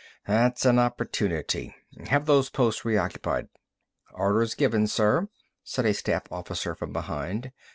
That's an opportunity. Have those posts reoccupied." "Orders given, sir," said a staff officer from behind.